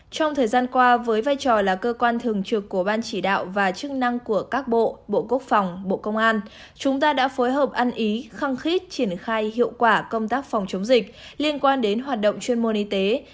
trong thời gian qua với vai trò là cơ quan thường trực của ban chỉ đạo và chức năng của các bộ bộ quốc phòng bộ công an chúng ta đã phối hợp ăn ý khăng khít triển khai hiệu quả công tác phòng chống dịch liên quan đến hoạt động chuyên môn y tế